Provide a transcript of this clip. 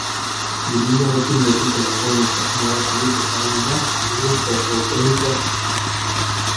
Burdinarekin lotuta dagoen osasun arazorik ezagunena anemia ferropenikoa da.